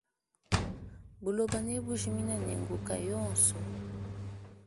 Buloba ne bujimine ne nkuka yonso.